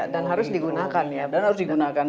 dan harus digunakan ya